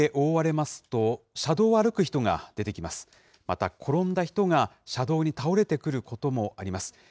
また、転んだ人が車道に倒れてくることもあります。